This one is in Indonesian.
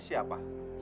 bersama pak haji